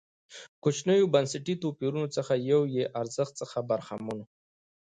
کوچنیو بنسټي توپیرونو څخه یو یې ارزښت څخه برخمن و.